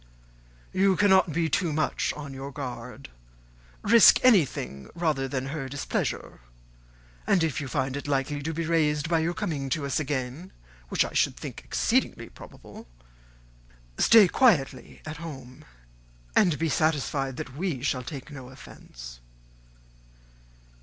"You cannot be too much on your guard. Risk anything rather than her displeasure; and if you find it likely to be raised by your coming to us again, which I should think exceedingly probable, stay quietly at home, and be satisfied that we shall take no offence."